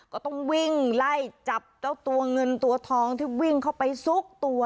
ก็ต้องวิ่งไล่จับเจ้าตัวเงินตัวทองที่วิ่งเข้าไปซุกตัว